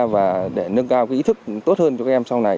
và để nâng cao ý thức tốt hơn cho các em sau này